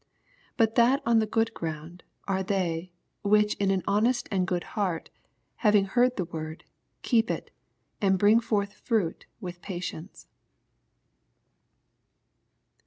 16 But that on the good ground are they, which in an honest and good heart, having heard the word, keep t^, and bring forth fruit with patience.